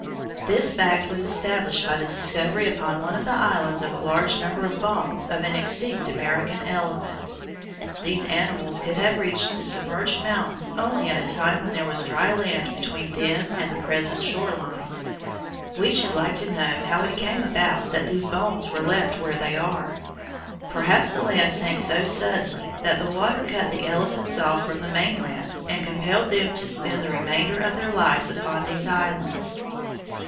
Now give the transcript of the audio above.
This fact was established by the discovery upon one of the islands of a large number of bones of an extinct American elephant. These animals could have reached the submerged mountains only at a time when there was dry land between them and the present shore line. We should like to know how it came about that these bones were left where they are. Perhaps the land sank so suddenly that the water cut the elephants off from the mainland and compelled them to spend the remainder of their lives upon these islands.